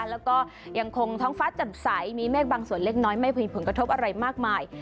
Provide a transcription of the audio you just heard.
แล้วก็ยังคงท้องฟ้าจำใสมีเมฆบางส่วนเล็กน้อยไม่มีผลกระทบอะไรมากมาย